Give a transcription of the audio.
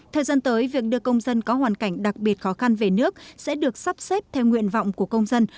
thời gian tới việc đưa công dân có hoàn cảnh đặc biệt khó khăn về nước sẽ được sắp xếp theo nguyện vọng của công dân